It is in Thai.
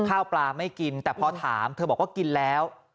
ข้าวปลาไม่กินแต่พอถามเธอบอกว่ากินแล้ว